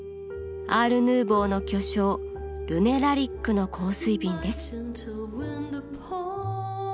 アールヌーボーの巨匠ルネ・ラリックの香水瓶です。